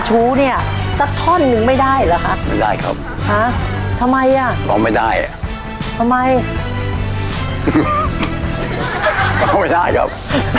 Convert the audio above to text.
หมายถึงไม่ได้ครับ